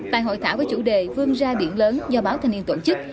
tại hội thảo với chủ đề vương ra biển lớn do báo thanh niên tổ chức